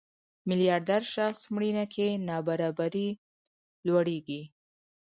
میلیاردر شخص مړینه کې نابرابري لوړېږي.